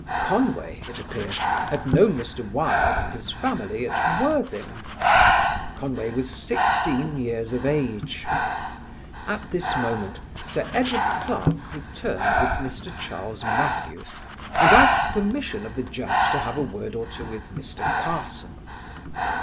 Conway, it appeared, had known Mr. Wilde and his family at Worthing. Conway was sixteen years of age.... At this moment Sir Edward Clarke returned with Mr. Charles Mathews, and asked permission of the judge to have a word or two with Mr. Carson.